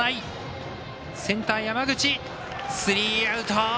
センター、山口とってスリーアウト。